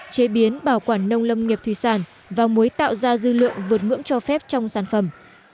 chế biến bảo quản nông lâm nghiệp thủy sản và muối tạo ra dư lượng vượt ngưỡng cho phép trong sản phẩm